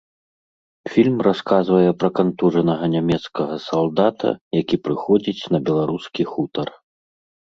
Фільм расказвае пра кантужанага нямецкага салдата, які прыходзіць на беларускі хутар.